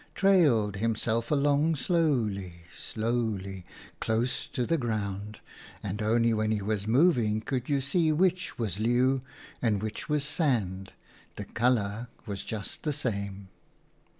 33 Leeuw trailed himself along slowly, slowly, close to the ground, and only when he was moving could you see which was Leeuw and which was sand : the colour was just the same.